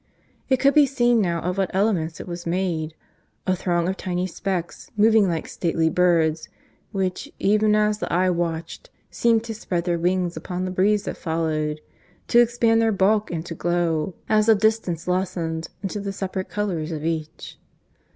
It could be seen now of what elements it was made a throng of tiny specks, moving like stately birds, which, even as the eye watched, seemed to spread their wings upon the breeze that followed; to expand their bulk, and to glow, as the distance lessened, into the separate colours of each.